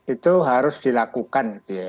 itu harus dilakukan